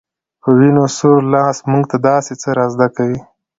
په وينو سور لاس موږ ته داسې څه را زده کوي